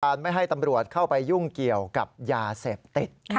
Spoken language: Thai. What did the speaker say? ไม่ให้ตำรวจเข้าไปยุ่งเกี่ยวกับยาเสพติด